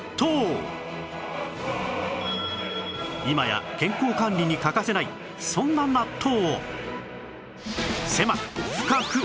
今や健康管理に欠かせないそんな納豆を